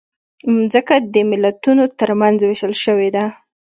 مځکه د ملتونو ترمنځ وېشل شوې ده.